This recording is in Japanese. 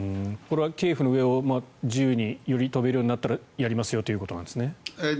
これはキエフの上を自由により飛べるようになったらやりますよということですか。